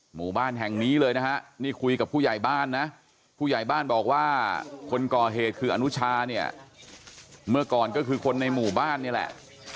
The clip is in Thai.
หมู่บ้านแห่งนี้เลยนะฮะนี่คุยกับผู้ใหญ่บ้านนะผู้ใหญ่บ้านบอกว่าคนก่อเหตุคืออนุชาเนี่ยเมื่อก่อนก็คือคนในหมู่บ้านนี่แหละ